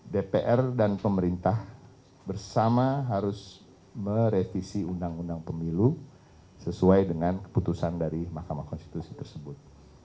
dpr dan pemerintah bersama harus merevisi undang undang pemilu sesuai dengan keputusan dari mahkamah konstitusi tersebut